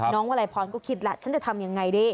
น้องวลายพรก็คิดล่ะฉันจะทำยังไงดี